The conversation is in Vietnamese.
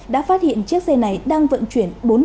đã phát hiện chiếc xe này đang vận chuyển